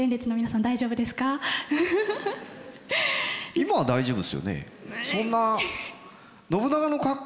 今は大丈夫ですよね？